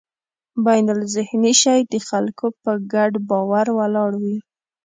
بینالذهني شی د خلکو په ګډ باور ولاړ وي.